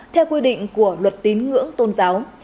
theo quy định của luật tín ngưỡng tôn giáo